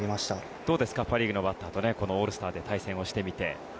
どうですかパ・リーグのバッターとこのオールスターで対戦してみて。